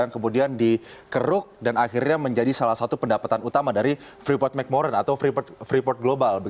yang kemudian dikeruk dan akhirnya menjadi salah satu pendapatan utama dari freeport mcmoran atau freeport global